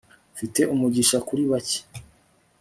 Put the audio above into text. mfite umugisha kuri bake